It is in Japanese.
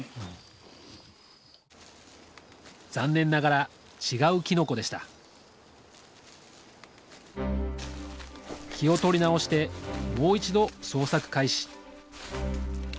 残念ながら違うキノコでした気を取り直してもう一度捜索開始。